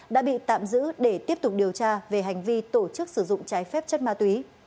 đã bị tạm giữ để tiếp tục điều tra về hành vi tổ chức sử dụng trái phép chất ma túy